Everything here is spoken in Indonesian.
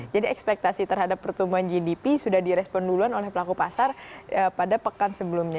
jadi ekspektasi terhadap pertumbuhan gdp sudah direspon duluan oleh pelaku pasar pada pekan sebelumnya